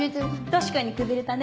確かにくびれたね。